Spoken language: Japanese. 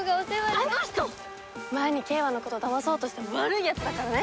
あの人前に景和のことだまそうとした悪いやつだからね！